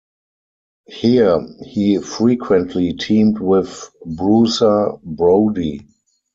Here, he frequently teamed with Bruiser Brody.